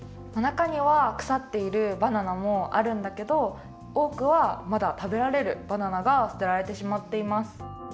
なかにはくさっているバナナもあるんだけどおおくはまだ食べられるバナナがすてられてしまっています。